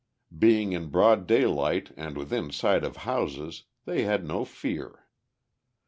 Being in broad daylight and within sight of houses, they had no fear.